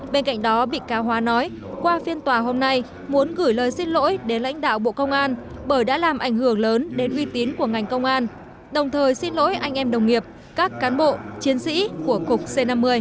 bên cạnh đó bị cáo hóa nói qua phiên tòa hôm nay muốn gửi lời xin lỗi đến lãnh đạo bộ công an bởi đã làm ảnh hưởng lớn đến uy tín của ngành công an đồng thời xin lỗi anh em đồng nghiệp các cán bộ chiến sĩ của cục c năm mươi